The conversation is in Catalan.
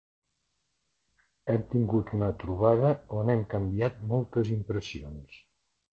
Hem tingut una trobada on hem canviat moltes impressions.